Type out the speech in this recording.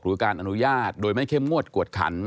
การอนุญาตโดยไม่เข้มงวดกวดขัน